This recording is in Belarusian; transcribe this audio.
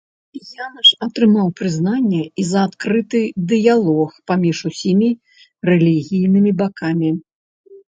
Янаш атрымаў прызнанне і за адкрыты дыялог паміж усімі рэлігійнымі бакамі.